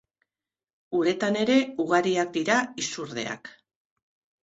Uretan ere ugariak dira izurdeak.